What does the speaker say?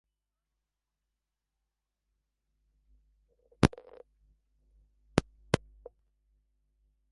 He was to erect three buildings.